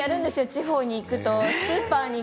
地方に行くと。